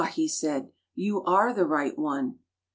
he said, "you are the right one."